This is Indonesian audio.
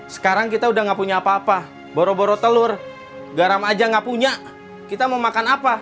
sekarang kita udah gak punya apa apa boro boro telur garam aja gak punya kita mau makan apa